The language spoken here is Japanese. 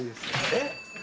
えっ！？